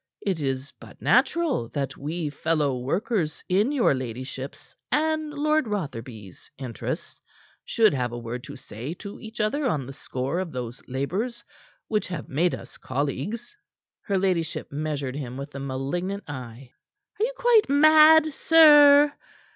It is but natural that we fellow workers in your ladyship's and Lord Rotherby's interests, should have a word to say to each other on the score of those labors which have made us colleagues." Her ladyship measured him with a malignant eye. "Are you quite mad, sir?"